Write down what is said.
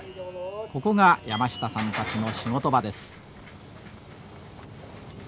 ここが山下さんたちの仕事場です。